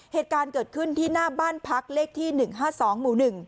เหตุการณ์เกิดขึ้นที่หน้าบ้านพักเลขที่๑๕๒หมู่๑